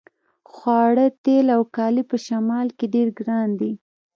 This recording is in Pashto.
خواړه تیل او کالي په شمال کې ډیر ګران دي